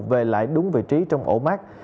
về lại đúng vị trí trong ổ mắt